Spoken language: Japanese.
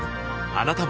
あなたも